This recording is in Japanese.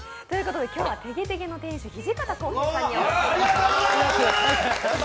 今日はてげてげの店主、土片康平さんにお越しいただきました。